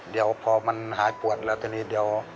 เดี๋ยวพอมันหายปวดแล้วทีนี้เดี๋ยว